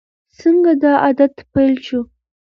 څنګه دا عادت پیل شو؟